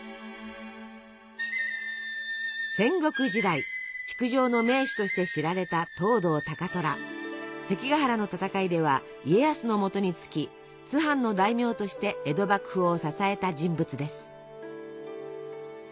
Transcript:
戦国時代築城の名手として知られた関ヶ原の戦いでは家康のもとにつき津藩の大名として江戸幕府を支えた人物です。